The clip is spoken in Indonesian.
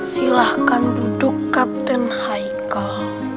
silahkan duduk kapten haikal